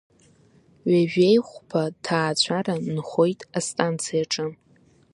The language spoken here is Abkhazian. Ҩажәеи хәба ҭаацәара нхоит астанциаҿы.